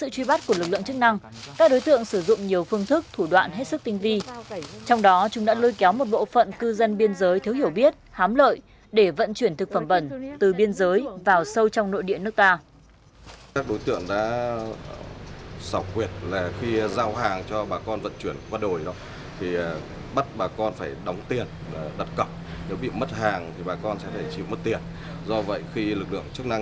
các đối tượng đã lưu kéo một bộ phận cư dân biên giới thiếu hiểu biết hám lợi để vận chuyển thực phẩm bẩn từ biên giới vào sâu trong nội địa nước ta